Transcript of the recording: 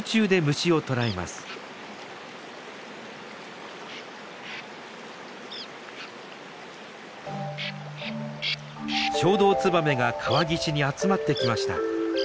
ショウドウツバメが川岸に集まってきました。